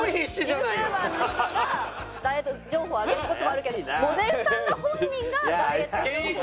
ユーチューバーの人がダイエット情報を上げる事もあるけどモデルさんが本人がダイエット情報。